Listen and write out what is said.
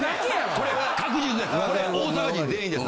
これ大阪人全員です。